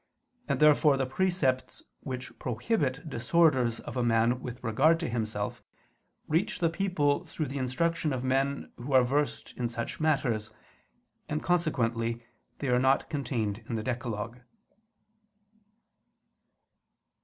And therefore the precepts which prohibit disorders of a man with regard to himself, reach the people through the instruction of men who are versed in such matters; and, consequently, they are not contained in the decalogue.